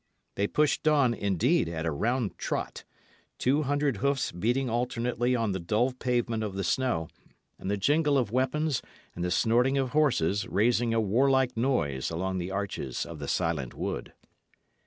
They pushed on, indeed, at a round trot, two hundred hoofs beating alternately on the dull pavement of the snow, and the jingle of weapons and the snorting of horses raising a warlike noise along the arches of the silent wood.